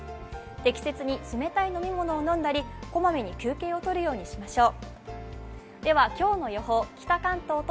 適切に冷たい飲み物を飲んだりこまめに休憩をとるようにしましょう。